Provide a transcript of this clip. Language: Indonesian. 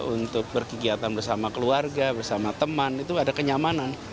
untuk berkegiatan bersama keluarga bersama teman itu ada kenyamanan